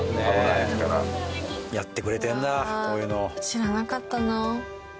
知らなかったな。